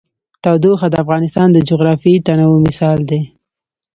تودوخه د افغانستان د جغرافیوي تنوع مثال دی.